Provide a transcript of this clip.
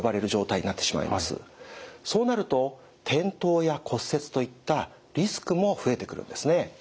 そうなると転倒や骨折といったリスクも増えてくるんですね。